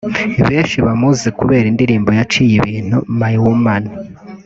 Benshi bamuzi kubera indirimbo yaciye ibintu ‘My Woman